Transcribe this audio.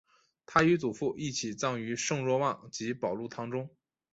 他与祖父一起葬于圣若望及保禄堂中。